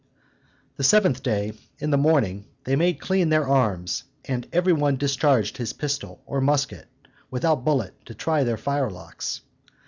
The seventh day, in the morning, they made clean their arms, and every one discharged his pistol, or musket, without bullet, to try their firelocks.